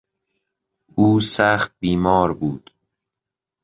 او سخت بیمار بود.